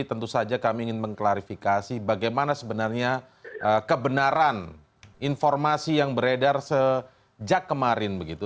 tentu saja kami ingin mengklarifikasi bagaimana sebenarnya kebenaran informasi yang beredar sejak kemarin begitu